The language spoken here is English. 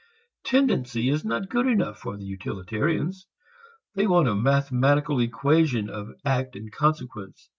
Tendency is not good enough for the utilitarians. They want a mathematical equation of act and consequence.